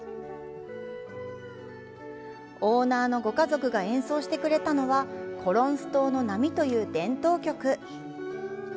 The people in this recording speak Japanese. オーナーのご家族が演奏してくれたのは、「コロンス島の波」という伝統曲。